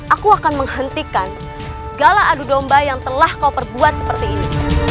aku akan menghentikan segala adu domba yang telah kau perbuat seperti ini